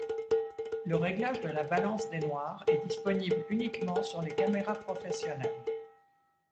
Le réglage de la balance des noirs est disponible uniquement sur les caméras professionnelles.